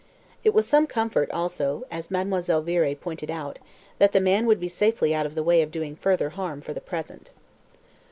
It was some comfort also, as Mademoiselle Viré pointed out, that the man would be safely out of the way of doing further harm for the present.